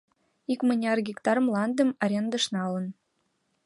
Икмыняр гектар мландым арендыш налын.